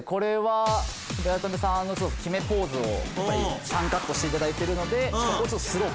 八乙女さんの決めポーズを３カットしていただいてるのでそこ